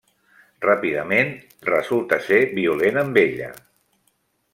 Ràpidament, resulta ser violent amb ella.